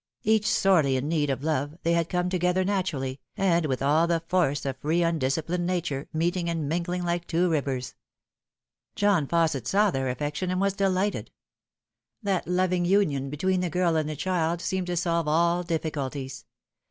Each sorely in need of love, they had come together naturally, and with all the force of free undisciplined nature, meeting and mingling liko two rivers. John Fausset saw their affection, and was delighted. That 18 Tht Fatal Three. loving union between the girl and the child seemed to solve all difficulties.